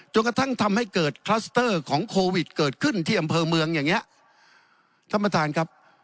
กระทั่งทำให้เกิดคลัสเตอร์ของโควิดเกิดขึ้นที่อำเภอเมืองอย่างเงี้ยท่านประธานครับ